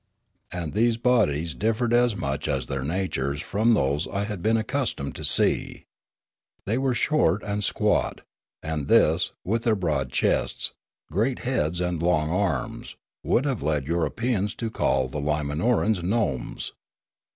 And these bodies differed as much as their natures from those I had been accustomed to see. They were short and squat; and this, with their broad chests, great heads, and long arms, would have led Europeans to call the Limanorans gnomes.